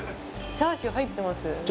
チャーシュー入ってます